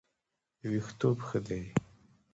ویښتوب ښه دی.